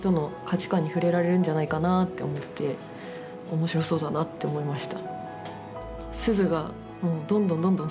面白そうだなって思いました。